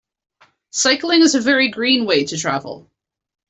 Cycling is a very green way to travel